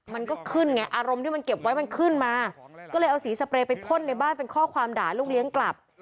มันก็ขึ้นไงอารมณ์ที่มันเก็บไว้มันขึ้นมาก็เลยเอาสีสเปรย์ไปพ่นในบ้านเป็นข้อความด่าลูกเลี้ยงกลับ